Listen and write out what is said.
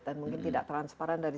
dan mungkin tidak transparan dari